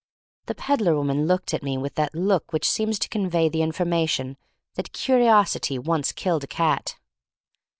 The peddler woman looked at me with that look which seems to convey the information that curiosity once killed a cat.